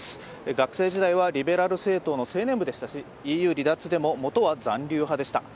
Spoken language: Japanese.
学生時代はリベラル政党の青年部でしたしＥＵ離脱でももとは残留派でした。